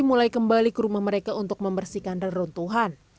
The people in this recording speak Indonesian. mulai kembali ke rumah mereka untuk membersihkan reruntuhan